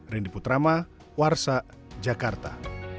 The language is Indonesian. rendy putrama warsa jakarta